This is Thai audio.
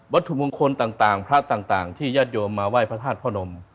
ถุมงคลต่างพระต่างที่ญาติโยมมาไหว้พระธาตุพระนม